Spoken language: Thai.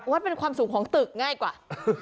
เป็นความสูงของตึกง่ายกว่า